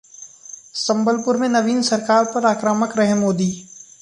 संबलपुर में नवीन सरकार पर आक्रामक रहे मोदी